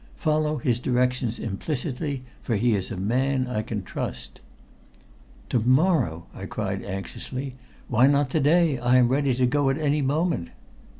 Follow his directions implicitly, for he is a man I can trust." "To morrow!" I cried anxiously. "Why not to day? I am ready to go at any moment."